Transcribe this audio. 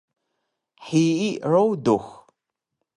hiyi rudux